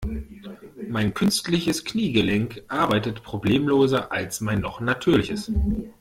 Mein künstliches Kniegelenk arbeitet problemloser als mein noch natürliches.